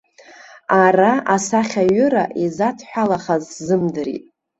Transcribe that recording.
Ара асахьаҩыра изадҳәалахаз сзымдырит.